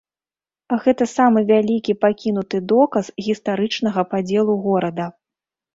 Гэта самы вялікі пакінуты доказ гістарычнага падзелу горада.